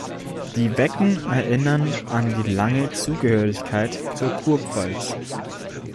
Die Wecken erinnern an die lange Zugehörigkeit zur Kurpfalz.